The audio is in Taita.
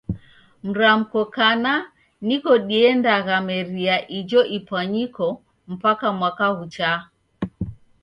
Mramko kana niko diendaghameria ijo ipwanyiko mpaka mwaka ghuchaa.